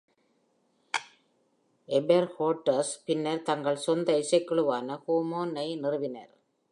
எபெர்ஹார்ட்டர்ஸ் பின்னர் தங்கள் சொந்த இசைக்குழுவான ஹே மான்! -ஐ நிறுவினர்.